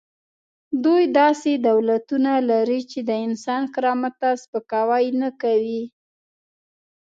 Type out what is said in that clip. دوی داسې دولتونه لري چې د انسان کرامت ته سپکاوی نه کوي.